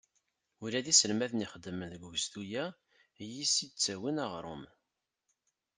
Ula d iselmaden ixeddmen deg ugezdu-a yis-s i d-ttawin aɣrum.